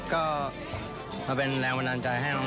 ก็เป็นแรงพนันใจให้น้อง